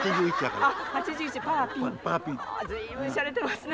あ随分しゃれてますね。